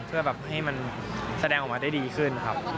เพื่อแบบให้มันแสดงออกมาได้ดีขึ้นครับ